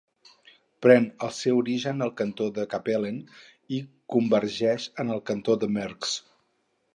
Pren el seu origen al cantó de Capellen i convergeix en el cantó de Mersch.